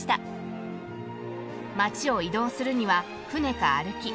街を移動するには船か歩き。